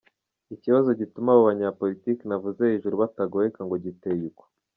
Ikibazo gituma abo banyapoliki navuze hejuru batagoheka ngo giteye uku :